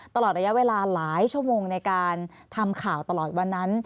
ตลอดระยะเวลาหลายชั่วโมงในการทำข่าวตลอดวันนั้น